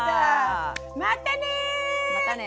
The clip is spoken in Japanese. またね！